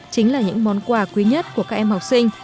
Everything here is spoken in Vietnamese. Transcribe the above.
chính là những món quà quý nhất của các em học sinh